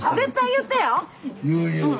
言う言う。